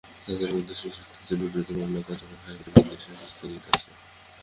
তাঁদের মধ্যে শেষোক্ত দুজনের বিরুদ্ধে মামলার কার্যক্রম হাইকোর্টের নির্দেশে স্থগিত আছে।